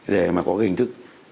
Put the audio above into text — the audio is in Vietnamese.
để mà có cái hình thức